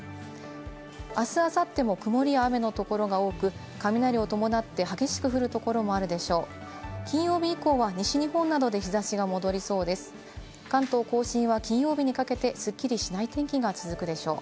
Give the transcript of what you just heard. あす、あさっても曇りや雨のところが多く、雷を伴って激しく降るところもあるでしょう。